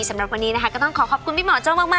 สำหรับวันนี้นะคะก็ต้องขอขอบคุณพี่หมอโจ้มาก